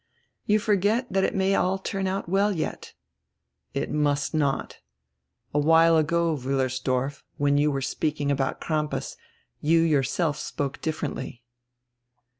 "You forget diat it may all turn out well yet." "It must not. A while ago, Wiillersdorf, when you were speaking about Crampas, you yourself spoke differentiy."